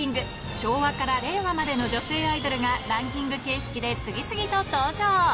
昭和から令和までの女性アイドルがランキング形式で次々と登場。